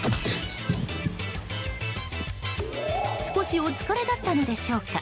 少しお疲れだったのでしょうか。